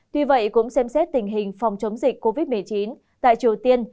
tuy vậy cũng xem xét tình hình phòng chống dịch covid một mươi chín tại triều tiên